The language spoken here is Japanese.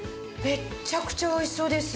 めっちゃくちゃおいしそうです。